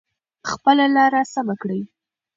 خپله لاره سمه کړئ.